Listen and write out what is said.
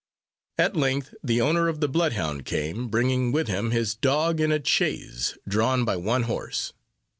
At length the owner of the blood hound came, bringing with him his dog, in a chaise, drawn by one horse.